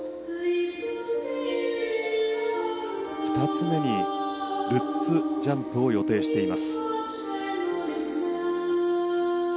２つ目にルッツジャンプを予定しています。